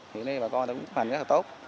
hiện nay bà con cũng chấp hành rất là tốt